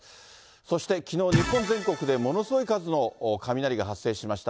そして、きのう日本全国でものすごい数の雷が発生しました。